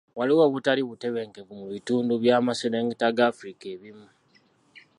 Waliwo obutali butebenkevu mu bitundu by'amaserengeta ga Africa ebimu.